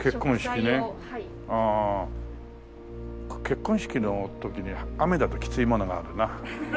結婚式の時に雨だときついものがあるな。